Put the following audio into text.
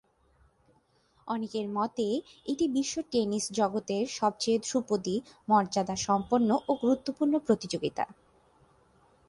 অনেকের মতে এটি বিশ্ব টেনিস জগতের সবচেয়ে ধ্রুপদী, মর্যাদাসম্পন্ন ও গুরুত্বপূর্ণ প্রতিযোগিতা।